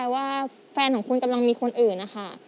ว่าแฟนของคุณกำลังมีคนอื่นนะคะ